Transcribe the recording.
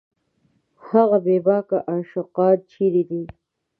هغه بېباکه عاشقان چېرې دي